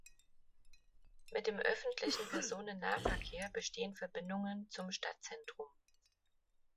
Mit dem öffentlichen Personennahverkehr bestehen Verbindungen zum Stadtzentrum.